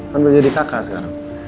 kan mau jadi kakak sekarang